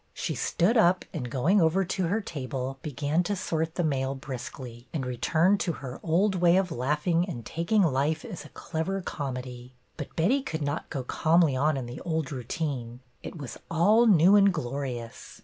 She stood up, and going over to her table, be gan to sort the mail briskly, and returned to her old way of laughing and taking life as a clever comedy. But Betty could not go calmly on in the old routine. It was all new and glorious.